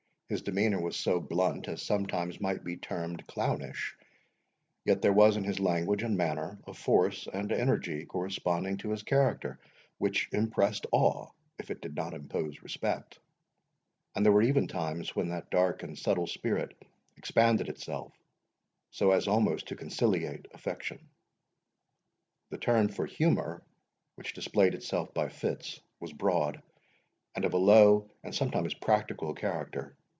His demeanour was so blunt as sometimes might be termed clownish, yet there was in his language and manner a force and energy corresponding to his character, which impressed awe, if it did not impose respect; and there were even times when that dark and subtle spirit expanded itself, so as almost to conciliate affection. The turn for humour, which displayed itself by fits, was broad, and of a low, and sometimes practical character.